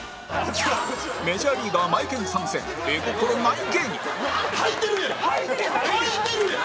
メジャーリーガーマエケン参戦絵心ない芸人はいてるやん！